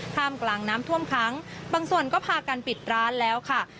ท่ามกลางน้ำท่วมขังบางส่วนก็พากันปิดร้านแล้วค่ะ